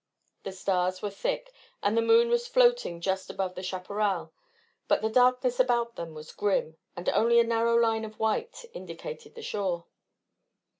The stars were thick and the moon was floating just above the chaparral, but the darkness about them was grim, and only a narrow line of white indicated the shore.